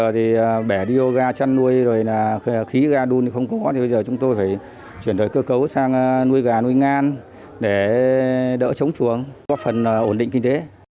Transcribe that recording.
thế bây giờ thì bẻ điêu gà chăn nuôi rồi là khí gà đun thì không có thì bây giờ chúng tôi phải chuyển đổi cơ cấu sang nuôi gà nuôi ngan để đỡ chống chuồng có phần ổn định kinh tế